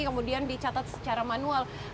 kemudian dicatat secara manual